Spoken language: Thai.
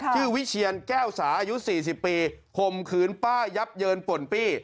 คือวิเชียรแก้วสายุ๔๐ปีคมคืนป้ายับเยินป่นปี้